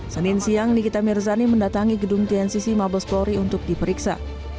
senin siang nikita mirzani mendatangi gedung tncc mabes polri untuk diperiksa